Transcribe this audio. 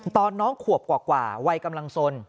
น้องขวบกว่าวัยกำลังสน